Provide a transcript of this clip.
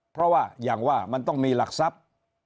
เพราะว่าอย่างว่ามันต้องมีหลักทรัพย์